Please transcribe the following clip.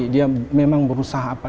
dia memang berusaha apa